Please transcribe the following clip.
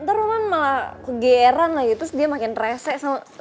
ntar roman malah ke geran lagi terus dia makin rese sama